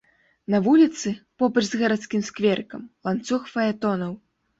На вуліцы, побач з гарадскім скверыкам, ланцуг фаэтонаў.